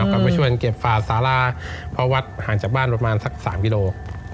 ก็ช่วยเก็บฟาสาราเพราะวัดห่างจากบ้านประมาณสัก๓กิโลกรัม